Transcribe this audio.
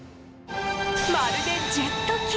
まるでジェット機！